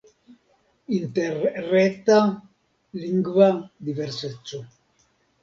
Interreta lingva diverseco.